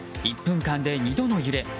１分間で２度の揺れ。